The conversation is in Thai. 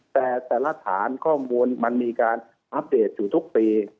แต่แต่ละฐานข้อมูลมันมีการอัปเดตอยู่ทุกปี